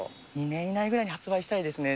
２年以内ぐらいに発売したいですね。